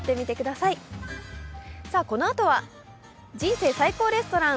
さあ、このあとは「人生最高レストラン」。